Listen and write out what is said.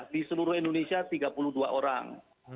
di seluruh indonesia tiga puluh dua orang